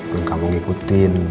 dan kamu ngikutin